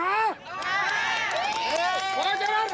มันจะออกมาบ้านค่ะ